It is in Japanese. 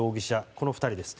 この２人です。